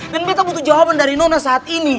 dan beta butuh jawaban dari nona saat ini